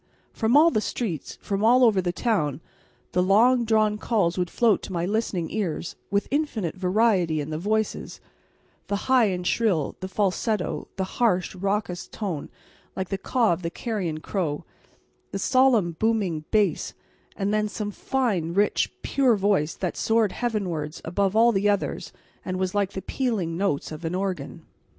From all the streets, from all over the town, the long drawn calls would float to my listening ears, with infinite variety in the voices the high and shrill, the falsetto, the harsh, raucous note like the caw of the carrion crow, the solemn, booming bass, and then some fine, rich, pure voice that soared heavenwards above all the others and was like the pealing notes of an organ.